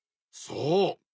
そう。